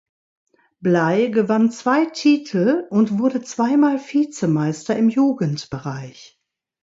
Bley gewann zwei Titel und wurde zweimal Vizemeister im Jugendbereich.